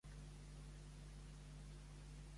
A La Cachapera fan menjar per emportar?